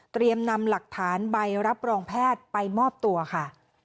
นำหลักฐานใบรับรองแพทย์ไปมอบตัวค่ะ